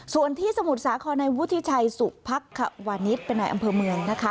ส่วนที่สมุทรสาครในวุฒิชัยสุพักขวานิสเป็นนายอำเภอเมืองนะคะ